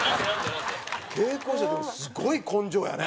桂子師匠でもすごい根性やね。